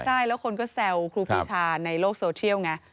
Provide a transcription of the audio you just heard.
ใช่แล้วคนก็แซวครูปีชาในโลกโซเชียลไง